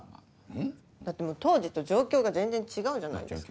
ん？だってもう当時と状況が全然違うじゃないですか。